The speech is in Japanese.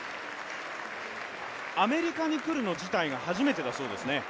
アメリカに来るの自体が初めてだそうですね。